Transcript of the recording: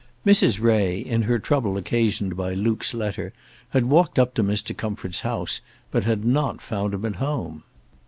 Mrs. Ray, in her trouble occasioned by Luke's letter, had walked up to Mr. Comfort's house, but had not found him at home.